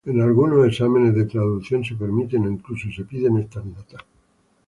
En algunos exámenes de traducción se permiten o incluso se piden estas notas.